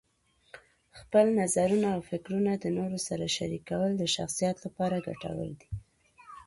خپل نظرونه او فکرونه د نورو سره شریکول د شخصیت لپاره ګټور دي.